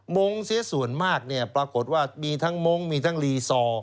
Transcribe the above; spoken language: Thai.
งงเสียส่วนมากเนี่ยปรากฏว่ามีทั้งมงค์มีทั้งรีซอร์